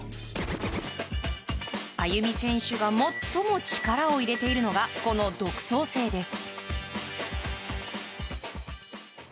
ＡＹＵＭＩ選手が最も力を入れているのがこの独創性です。